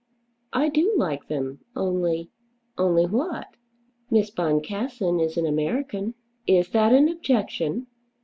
"I do like them; only " "Only what?" "Miss Boncassen is an American." "Is that an objection?